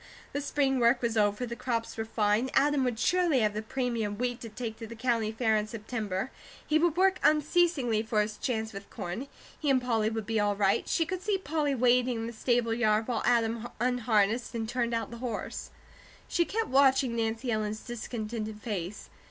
The spring work was over; the crops were fine; Adam would surely have the premium wheat to take to the County Fair in September; he would work unceasingly for his chance with corn; he and Polly would be all right; she could see Polly waiting in the stable yard while Adam unharnessed and turned out the horse. Kate kept watching Nancy Ellen's discontented face.